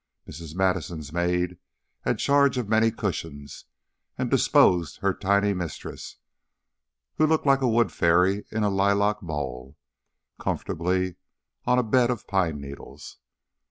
Mrs. Madison's maid had charge of many cushions, and disposed her tiny mistress who looked like a wood fairy in lilac mull comfortably on a bed of pine needles.